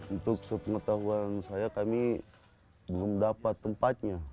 untuk sepengetahuan saya kami belum dapat tempatnya